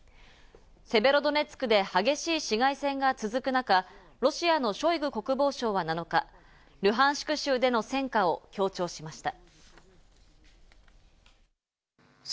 セベロドネツクで激しい市街戦が続く中、ロシアのショイグ国防相は７日、ルハンシク州での戦果を強調しました。